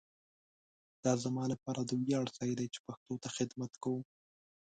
دا زما لپاره د ویاړ ځای دی چي پښتو ته خدمت کوؤم.